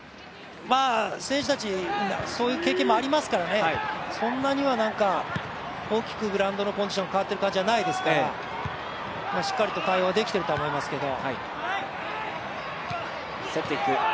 まあ、選手たち、そういう経験もありますからね、そんなには、大きくグラウンドのコンディション変わってる感じはないですからしっかりと対応できていると思いますけど。